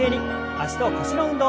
脚と腰の運動。